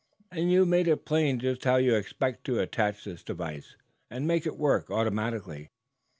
"And you've made it plain just how you expect to attach this device and make it work automatically.